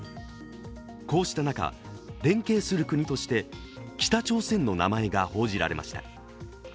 こうした中、連携する国として北朝鮮の名前が報じられました。